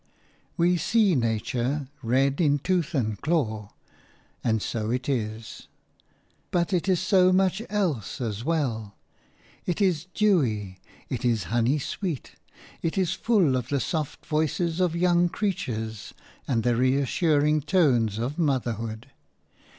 We see nature "red in tooth and claw," and so it is; but it is so much else as well; it is dewy, it is honeysweet, it is full of the soft voices of young creatures and the reassuring tones of motherhood.